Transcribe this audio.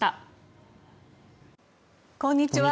こんにちは。